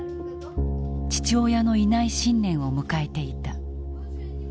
父親のいない新年を迎えていた。